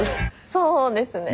そうですね。